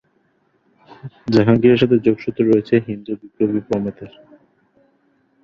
জাহাঙ্গীরের সাথে যোগসূত্র রয়েছে হিন্দু বিপ্লবী প্রমথের।